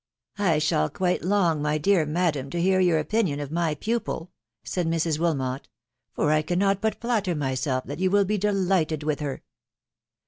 " I shall quite ng, my dear madam, to hear your opinion of my pupil," said Mrs. Wilmot, " for I cannot but flatter myself that you will be delighted with her."